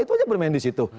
itu aja bermain di situ